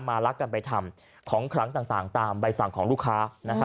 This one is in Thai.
รักกันไปทำของครั้งต่างตามใบสั่งของลูกค้า